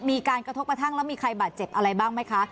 มีการกระทบกระทั่งแล้วมีใครบาดเจ็บอะไรบ้างไหมคะ